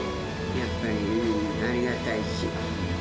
やっぱり、ありがたいし。